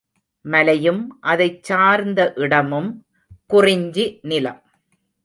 மலையும் அதைச் சார்ந்த இடமும் குறிஞ்சி நிலம்.